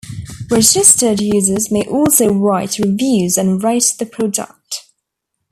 Registered users may also write reviews and rate the product.